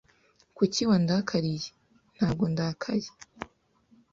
"Kuki wandakariye?" "Ntabwo ndakaye!"